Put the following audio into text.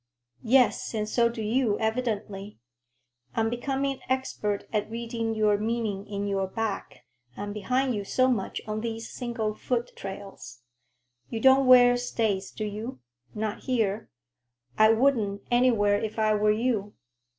"Yes, and so do you, evidently. I'm becoming expert at reading your meaning in your back. I'm behind you so much on these single foot trails. You don't wear stays, do you?" "Not here." "I wouldn't, anywhere, if I were you.